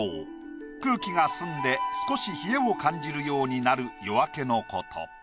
空気が澄んで少し冷えを感じるようになる夜明けのこと。